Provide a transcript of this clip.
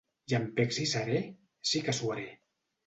Llampecs i serè? Sí que suaré!